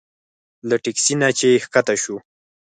له تکسي نه چې ښکته شوو.